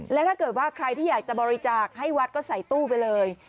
และถ้าเกิดว่าใครที่อยากจะบริจาคให้วัดก็ใส่ตู้ไปเลย